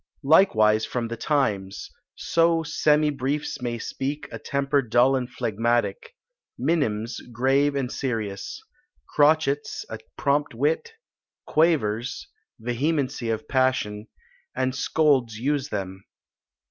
Likewise from the TIMES: so semi briefs may speak a temper dull and phlegmatic; minims, grave and serious; crotchets, a prompt wit; quavers, vehemency of passion, and scolds use them.